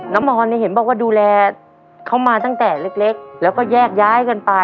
มอนเนี่ยเห็นบอกว่าดูแลเขามาตั้งแต่เล็กแล้วก็แยกย้ายกันไป